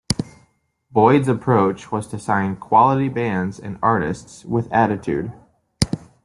Boyd's approach was to sign "quality bands and artists with attitude".